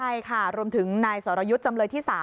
ใช่ค่ะรวมถึงนายสรยุทธ์จำเลยที่๓